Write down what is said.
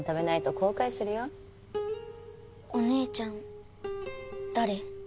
お姉ちゃん誰？